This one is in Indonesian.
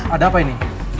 ada apa ini